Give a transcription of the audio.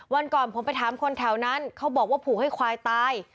วันก่อนผมไปถามคนแถวนั้นเขาบอกว่าผูกให้ควายตาย